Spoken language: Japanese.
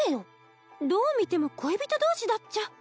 どう見ても恋人同士だっちゃ。